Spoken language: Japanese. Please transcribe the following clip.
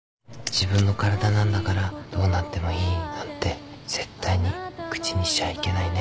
自分の体なんだからどうなってもいいなんて絶対に口にしちゃいけないね。